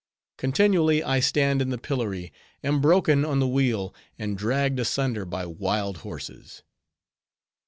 Continually I stand in the pillory, am broken on the wheel, and dragged asunder by wild horses.